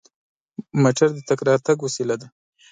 موټر د تګ راتګ وسیله ده.